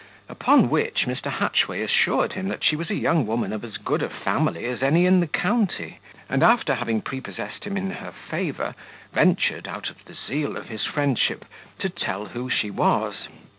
Upon which, Mr. Hatchway assured him, that she was a young woman of as good a family as any in the county; and, after having prepossessed him in her favour, ventured, out of the zeal of his friendship, to tell who she was.